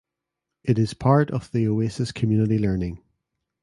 It is part of the Oasis Community Learning.